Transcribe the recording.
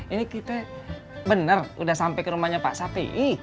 ini kita bener udah sampe ke rumahnya pak safi'i